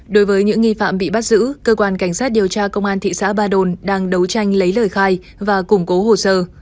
đối với những nghi phạm bị bắt giữ cơ quan cảnh sát điều tra công an thị xã ba đồn đang đấu tranh lấy lời khai và củng cố hồ sơ